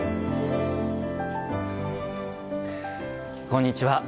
こんにちは。